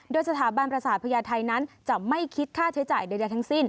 โดยสถาบันประสาทพญาไทยนั้นจะไม่คิดค่าใช้จ่ายใดทั้งสิ้น